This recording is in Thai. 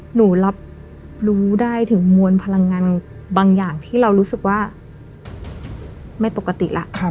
หนูรับรู้ได้ถึงมวลพลังงานบางอย่างที่เรารู้สึกว่าไม่ปกติแล้ว